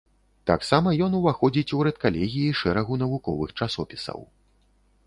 Таксама ён уваходзіць у рэдкалегіі шэрагу навуковых часопісаў.